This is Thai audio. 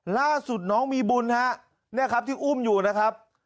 ล่าสุดน้องมีบุญฮะเนี่ยครับที่อุ้มอยู่นะครับ